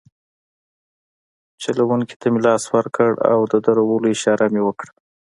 چلونکي ته مې لاس ورکړ او د درولو اشاره مې وکړه.